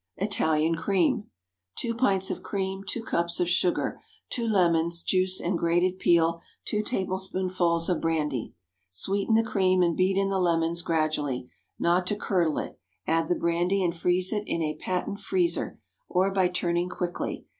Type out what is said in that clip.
ITALIAN CREAM. ✠ 2 pints of cream. 2 cups of sugar. 2 lemons—juice and grated peel. 2 tablespoonfuls of brandy. Sweeten the cream and beat in the lemons gradually, not to curdle it; add the brandy and freeze in a patent freezer, or by turning quickly.